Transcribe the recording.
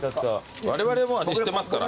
われわれもう味知ってますから。